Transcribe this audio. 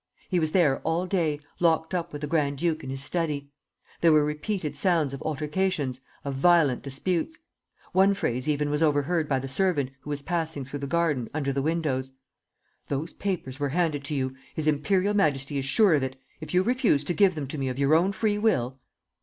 He was there all day, locked up with the grand duke in his study. There were repeated sounds of altercations, of violent disputes. One phrase even was overheard by the servant, who was passing through the garden, under the windows: 'Those papers were handed to you; His imperial Majesty is sure of it. If you refuse to give them to me of your own free will